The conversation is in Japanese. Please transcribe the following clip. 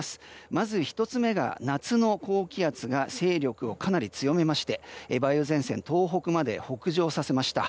まず１つ目が夏の高気圧が勢力をかなり強めまして梅雨前線東北まで北上させました。